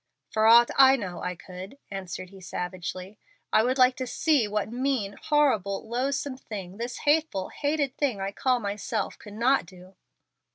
"For aught I know I could," answered he, savagely. "I would like to see what mean, horrible, loathsome thing, this hateful, hated thing I call myself could not do."